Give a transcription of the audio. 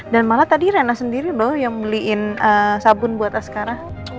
dan malah tadi reyna sendiri loh yang beliin sabun buat askara